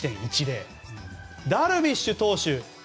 ダルビッシュ投手